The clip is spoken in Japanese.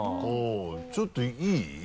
ちょっといい？